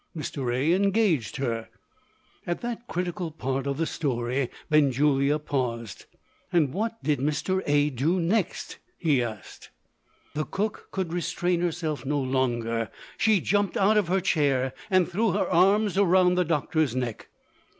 Mr. A. engaged her." At that critical part of the story, Benjulia paused. "And what did Mr. A. do next?" he asked. The cook could restrain herself no longer. She jumped out of her chair, and threw her arms round the doctor's neck.